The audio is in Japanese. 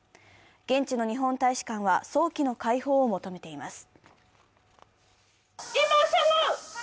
現地の日本大使館は早期の解放を求めています。